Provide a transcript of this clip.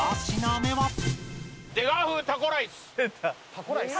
タコライス？